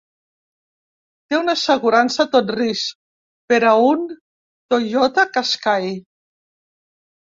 Té una assegurança a tot risc per a un Toyota Kaskai.